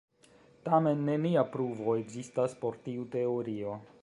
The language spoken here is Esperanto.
Tamen nenia pruvo ekzistas por tiu teorio.